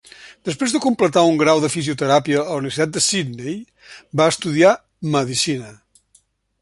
Després de completar un grau de fisioteràpia a la Universitat de Sydney, va estudiar medicina.